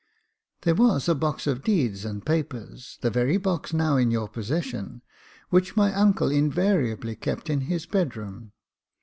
There was a box of deeds and papers, the very box now in your possession, which my uncle invariably kept in his bedroom.